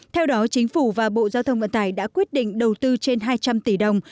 theo đó chính phủ và bộ giao thông vận tải đã quyết định đầu tư trên hai trăm linh tỷ đồng